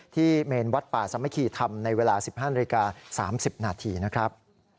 ที่เมนวัดป่าสัมภิกิธรรมในเวลา๑๕นาที๓๐นาทีนะครับ